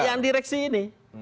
yang direksi ini